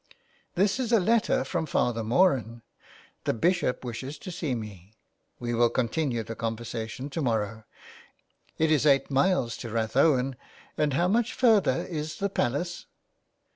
" This is a letter from Father Moran. The Bishop wishes to see me. We will continue the conversation to morrow. It is eight miles to Rathowen, and how much further is the Palace